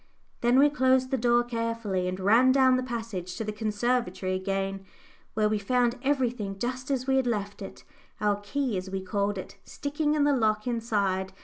Then we closed the door carefully and ran down the passage to the conservatory again, where we found everything just as we had left it our key, as we called it, sticking in the lock inside.